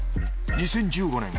２０１５年